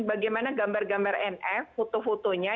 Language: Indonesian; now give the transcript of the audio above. bagaimana gambar gambar nf foto fotonya